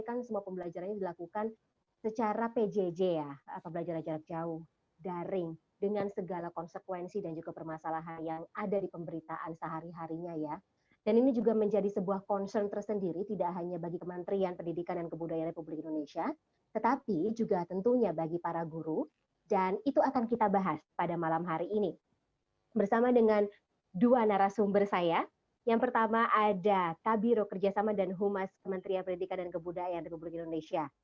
kan semua pembelajarannya dilakukan secara pjj ya atau belajaran jarak jauh daring dengan segala konsekuensi dan juga permasalahan yang ada di pemberitaan sehari harinya ya dan ini juga menjadi sebuah concern tersendiri tidak hanya bagi kementerian pendidikan dan kebudayaan republik indonesia tetapi juga tentunya bagi para guru dan itu akan kita bahas pada malam hari ini bersama dengan dua narasumber saya yang pertama ada kabiro kerjasama dan humas kementerian pendidikan dan kebudayaan republik indonesia